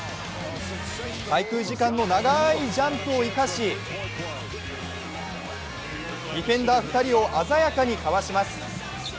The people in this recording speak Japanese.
滞空時間の長いジャンプを生かしディフェンダー２人を鮮やかにかわします。